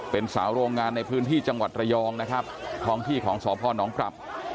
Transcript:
เป็นสาวโรงงานในพื้นที่จังหวัดระยองนะครับท้องที่ของสพนกลับ